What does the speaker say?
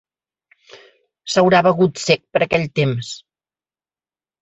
S'haurà begut cec per aquell temps.